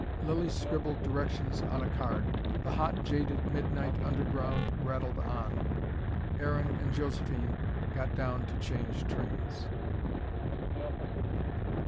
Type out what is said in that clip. Lilly scribbled directions on a card. The hot, jaded midnight underground rattled on. Aaron and Josephine got down to change trains.